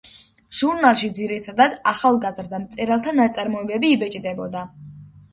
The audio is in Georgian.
ჟურნალში ძირითადად ახალგაზრდა მწერალთა ნაწარმოებები იბეჭდებოდა.